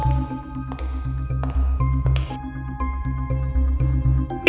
mel terima kasih sudah menjemputku